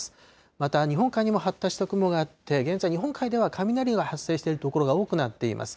また日本海にも発達した雲があって、現在、日本海では雷が発生している所が多くなっています。